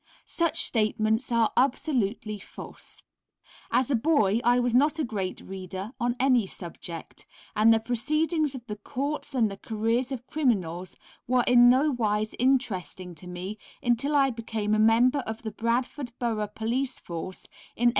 Such statements are absolutely false. As a boy I was not a great reader on any subject, and the proceedings of the courts and the careers of criminals were in no wise interesting to me until I became a member of the Bradford Borough Police Force, in 1874.